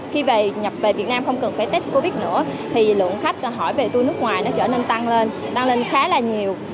khi nhập về việt nam không cần phải test covid nữa thì lượng khách hỏi về tour nước ngoài nó trở nên tăng lên khá là nhiều